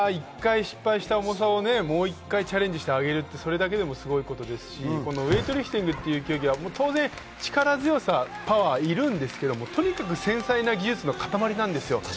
１回失敗した重さをもう１回チャレンジして挙げるというのもそれだけでもすごいですし、ウエイトリフティングは力強さ、パワーがいるんですけれども、とにかく繊細な技術の塊なんですよ。